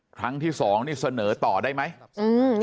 ครั้งที่สองนี่เสนอต่อได้ไหมอืม